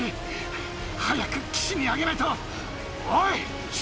早く岸に上げないと。